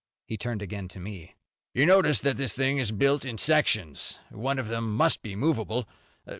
He turned again to me. "You notice that this thing is built in sections. One of them must be movable.